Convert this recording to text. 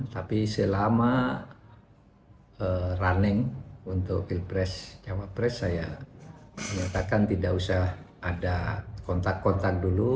tapi selama running untuk pilpres cawapres saya menyatakan tidak usah ada kontak kontak dulu